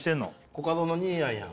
コカドのにーやんやん。